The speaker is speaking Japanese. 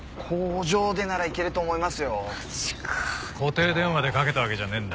固定電話でかけたわけじゃねえんだ。